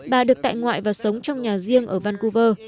bà được tại ngoại và sống trong nhà riêng ở vancouver